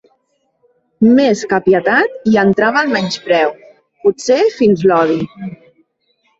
Més que pietat, hi entrava el menyspreu, potser fins l'odi.